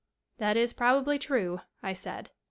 "That is probably true," I said.